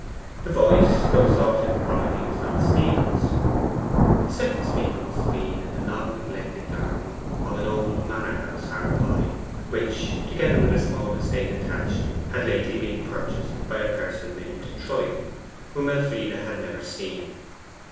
The voice, though soft in quality, was not Stephen's. The second speaker must have been in the long neglected garden of an old manor house hard by, which, together with a small estate attached, had lately been purchased by a person named Troyton, whom Elfride had never seen.